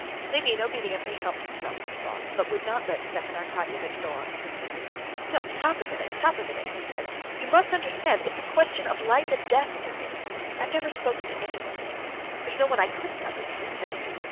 Levin obediently helped himself to sauce, but would not let Stepan Arkadyevitch go on with his dinner. "No, stop a minute, stop a minute," he said. "You must understand that it's a question of life and death for me. I have never spoken to anyone of this. And there's no one I could speak of it to, except you.